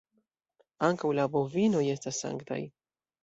Ankaŭ la bovinoj estas sanktaj.